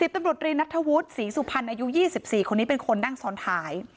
ตำรวจรีนัทธวุฒิศรีสุพรรณอายุ๒๔คนนี้เป็นคนนั่งซ้อนท้าย